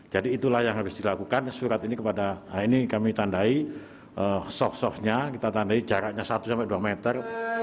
jadi itulah yang harus dilakukan surat ini kami tandai sop sopnya kita tandai jaraknya satu dua meter